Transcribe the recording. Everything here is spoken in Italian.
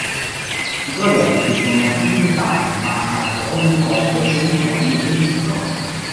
I proiettili sono illimitati ma ad ogni colpo c'è un po' di rinculo.